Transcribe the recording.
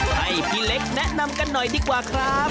ให้พี่เล็กแนะนำกันหน่อยดีกว่าครับ